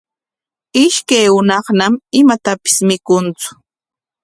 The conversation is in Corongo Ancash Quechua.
Ishkay hunaqñam imatapis mikuntsu.